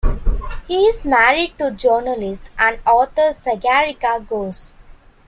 He is married to journalist and author Sagarika Ghose.